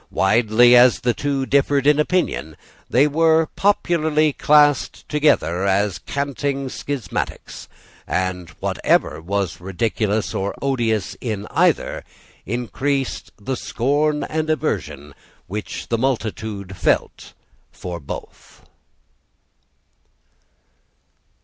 Widely as the two differed in opinion, they were popularly classed together as canting schismatics; and whatever was ridiculous or odious in either increased the scorn and aversion which the multitude felt for both.